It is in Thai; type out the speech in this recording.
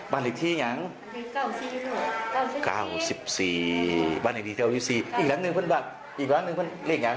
บ้านหลีกที่ยัง๙๔บาทอีกหลังหนึ่งเป็นบาทอีกหลังหนึ่งเป็นเลขยัง